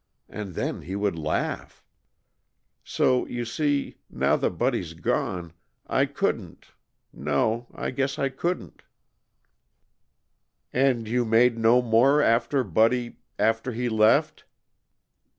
And then he would laugh. So you see, now that Buddy's gone, I couldn't no, I guess I couldn't!" "And you made no more after Buddy after he left?"